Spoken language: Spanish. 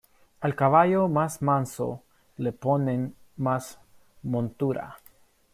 Al caballo más manso le ponen más montura.